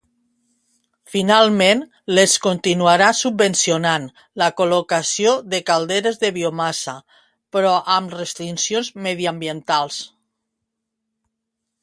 Finalment, l'ens continuarà subvencionant la col·locació de calderes de biomassa, però amb restriccions mediambientals.